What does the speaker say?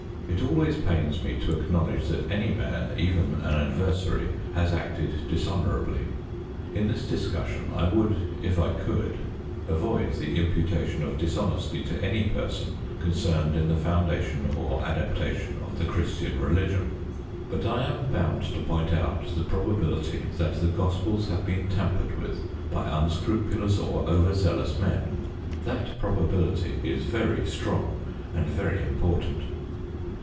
It always pains me to acknowledge that any man, even an adversary, has acted dishonourably. In this discussion I would, if I could, avoid the imputation of dishonesty to any person concerned in the foundation or adaptation of the Christian religion. But I am bound to point out the probability that the Gospels have been tampered with by unscrupulous or over zealous men. That probability is very strong, and very important.